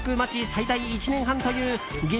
最大１年半という激